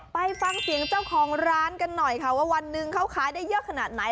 ไปฟังเสียงเจ้าของร้านกันหน่อยค่ะว่าวันหนึ่งเขาขายได้เยอะขนาดไหน